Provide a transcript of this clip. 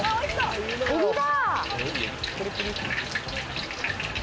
エビだ！